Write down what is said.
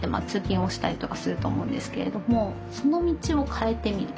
通勤をしたりとかすると思うんですけれどもその道を変えてみる。